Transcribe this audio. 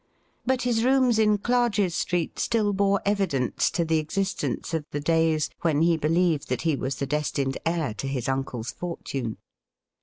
But his rooms in Clarges Street still bore evidence to the existence of the days when he believed that he was the destined heir to his uncle's fortune.